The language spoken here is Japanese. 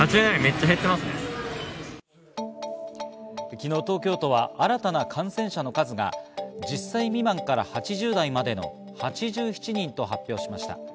昨日、東京都は新たな感染者の数が１０歳未満から８０代までの８７人と発表しました。